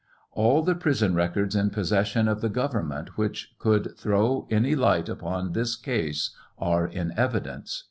All the prison records in possession of the government which could throw any light upon this case are in evidence.